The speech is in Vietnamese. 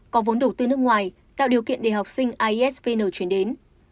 có vốn đầu tư nước ngoài tạo điều kiện để học sinh isvn chuyển đến